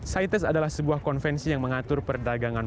sites adalah sebuah konvensi yang mengatur perdagangan